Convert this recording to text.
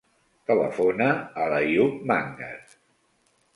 Telefona a l'Àyoub Mangas.